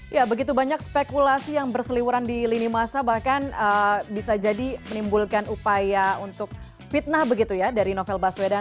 ya begitu banyak spekulasi yang berseliwuran di lini masa bahkan bisa jadi menimbulkan upaya untuk fitnah begitu ya dari novel baswedan